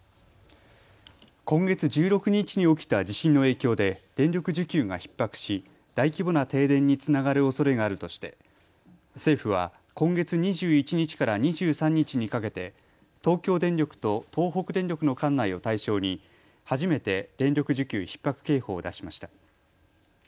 今月１６日に起きた地震の影響で電力需給がひっ迫し大規模な停電につながるおそれがあるとして政府は今月２１日から２３日にかけて東京電力と東北電力の管内を対象に初めて電力需給ひっ迫警報を出しました。